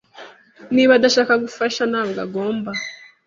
Niba adashaka gufasha, ntabwo agomba.